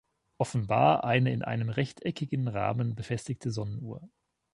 Offenbar eine in einem rechteckigen Rahmen befestigte Sonnenuhr.